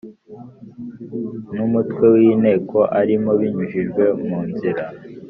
N umutwe w inteko arimo binyujijwe mu nzira